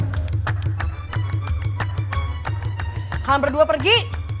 kalam berdua pergi